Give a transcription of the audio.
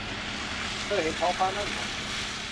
เธอเห็นท้องฟ้านั่นไหม